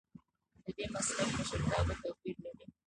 ددې مسلک مشرتابه توپیر لري.